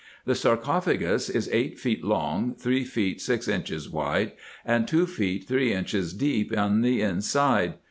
The sarcophagus is eight feet long, three feet six inches wide, and two feet three inches deep in the inside.